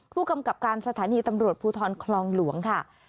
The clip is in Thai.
ผู้กำกับการสถานีตำรวจภูทรคลองหลวงค่ะ